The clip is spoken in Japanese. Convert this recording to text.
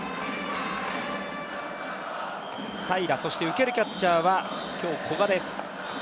受けるキャッチャーは今日、古賀です。